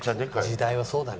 時代はそうだね。